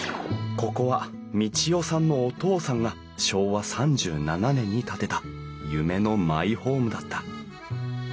ここは道代さんのお父さんが昭和３７年に建てた夢のマイホームだった。